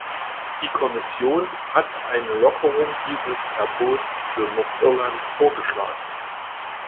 Die Kommission hat eine Lockerung dieses Verbots für Nordirland vorgeschlagen.